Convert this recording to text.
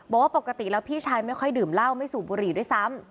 บอกว่าปกติแล้วพี่ชายไม่ค่อยดื่มเหล้าไม่สูบบุหรี่ด้วยซ้ำ